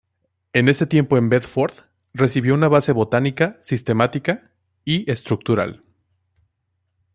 En ese tiempo en Bedford, recibió una base en botánica sistemática y estructural.